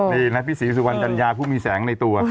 ดีนะพี่ศีรษฐวัณกัญญาผู้มีแสงในตัว